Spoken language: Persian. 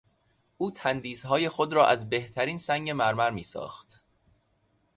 او تندیسهای خود را از بهترین سنگ مرمر میساخت.